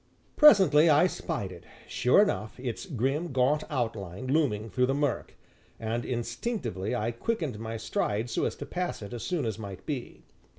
Presently I spied it, sure enough, its grim, gaunt outline looming through the murk, and instinctively I quickened my stride so as to pass it as soon as might be.